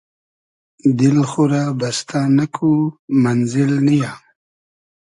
دیل خو رۂ بستۂ نئکو مئنزیل نییۂ